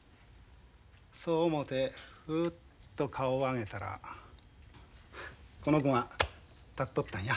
そう思うてふっと顔を上げたらこの子が立っとったんや。